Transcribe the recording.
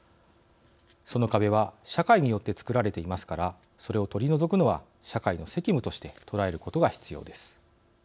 その壁は社会によって作られていますからそれを取り除くのは社会の責務として捉えることが必要です。